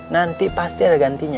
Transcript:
nanti pasti ada gantinya